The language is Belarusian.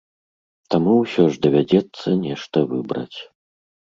Таму ўсё ж давядзецца нешта выбраць.